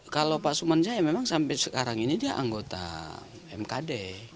kalau pak sumanjaya memang sampai sekarang ini dia anggota mkd